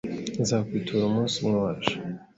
nzakwitura umunsi umwe waje